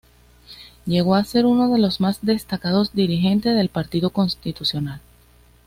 Llegó a ser uno de los más destacados dirigentes del Partido Constitucional.